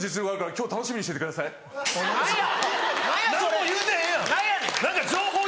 「はい！」。